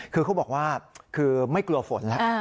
คือเขาบอกว่าคือไม่กลัวฝนแล้ว